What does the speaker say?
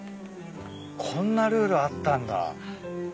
こんなルールあったんだ。